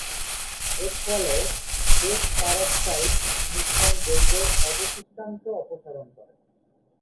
এর ফলে বেস-পারক্সাইড মিশ্রণ জৈব অবশিষ্টাংশ অপসারণ করে।